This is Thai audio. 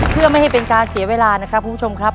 เพื่อไม่ให้เป็นการเสียเวลานะครับคุณผู้ชมครับ